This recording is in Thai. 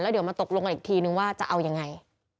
เดี๋ยวมาตกลงกันอีกทีนึงว่าจะเอายังไง